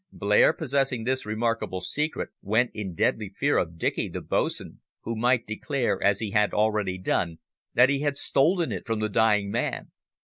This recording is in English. "Blair, possessing this remarkable secret, went in deadly fear of Dicky, the bo'sun, who might declare, as he had already done, that he had stolen it from the dying man.